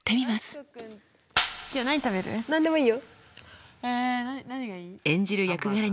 どこでもいいよ。